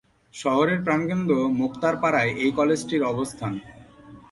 শহরের প্রাণকেন্দ্র মোক্তারপাড়ায় এই কলেজটির অবস্থান।